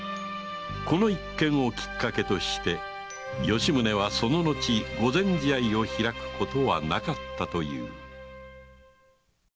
この一件をきっかけとして吉宗はその後御前試合を開くことはなかったという